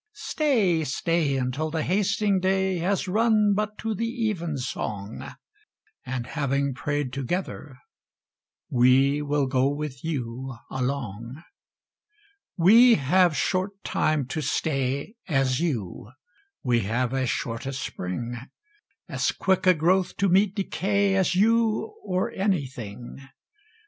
Stay, stay Until the hasting day Has run But to the evensong; And, having pray'd together, we Will go with you along. We have short time to stay, as you, We have as short a spring; As quick a growth to meet decay, As you, or anything.